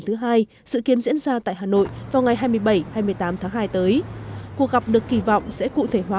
thứ hai dự kiến diễn ra tại hà nội vào ngày hai mươi bảy hai mươi tám tháng hai tới cuộc gặp được kỳ vọng sẽ cụ thể hóa